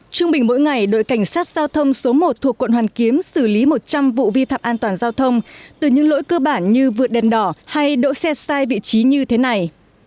trung bình mỗi ngày đội cảnh sát giao thông số một thuộc quận hoàn kiếm xử lý một trăm linh vụ vi phạm an toàn giao thông từ những lỗi cơ bản như vượt đèn đỏ hay đỗ xe sai vị trí như thế này